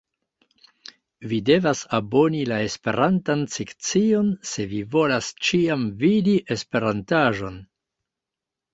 Vi devas aboni la esperantan sekcion se vi volas ĉiam vidi esperantaĵon